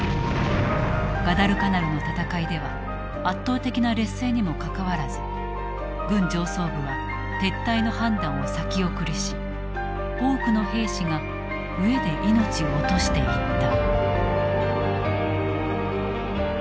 ガダルカナルの戦いでは圧倒的な劣勢にもかかわらず軍上層部は撤退の判断を先送りし多くの兵士が飢えで命を落としていった。